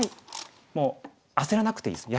もう焦らなくていいです。